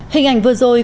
hình ảnh vừa rồi